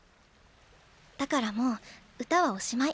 だからもう歌はおしまい。